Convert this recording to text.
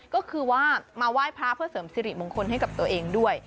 ก็คือว่ามาไหว้พระเพื่อเสริมสิริมงคลให้กับตัวเองด้วย